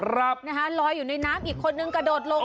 ลอยอยู่ในน้ำอีกคนนึงกระโดดลง